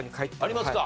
ありますか。